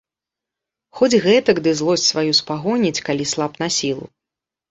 Хоць гэтак ды злосць сваю спагоніць, калі слаб на сілу.